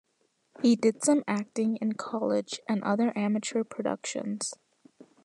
He did some acting in college and other amateur productions.